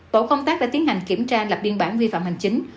tổ công tác đã tiến hành kiểm tra lập biên bản vi phạm hành chính